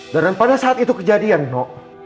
dan pada saat itu kejadian no